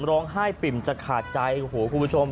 ร้องไห้ปิ่มจากขาดใจหูคุณผู้ชม